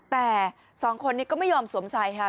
แต่สองคนนี้ก็ไม่ยอมสวมใส่ค่ะ